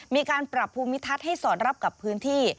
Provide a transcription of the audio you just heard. มีการปรับภูมิทัศน์ให้สอดรับกับพื้นที่